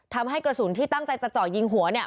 ทำให้กระสุนที่ตั้งใจจะเจาะยิงหัวเนี่ย